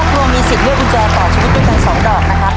ทั้งโลกมีสิทธิ์เลือกกุญแจต่อชีวิตต่อ๒ดอกนะครับ